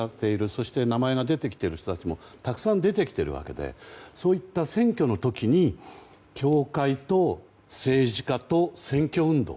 そして名前が出てきている人もたくさん出てきているわけでそういった選挙の時に教会と政治家と選挙運動